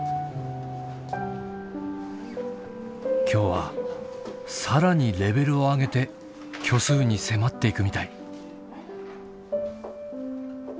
今日は更にレベルを上げて虚数に迫っていくみたい。